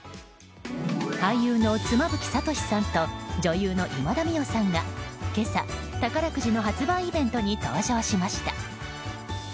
俳優の妻夫木聡さんと女優の今田美桜さんが今朝、宝くじの発売イベントに登場しました。